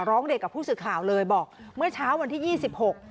ร้องเรียนกับผู้สื่อข่าวเลยบอกเมื่อเช้าวันที่ยี่สิบหก